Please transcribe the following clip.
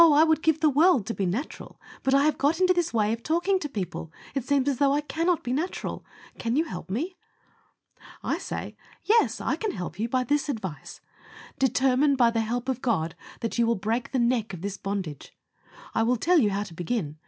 I would give the world to be natural, but I have got into this way of talking to people. It seems as though I cannot be natural. Can you help me?" I say, "Yes, I can help you, by this advice Determine, by the help of God, that you will break the neck of this bondage. I will tell you how to begin.